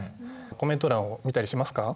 コメント欄を見たりしますか？